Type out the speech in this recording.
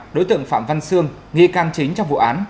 đối tượng phạm văn sương nghi can chính trong vụ án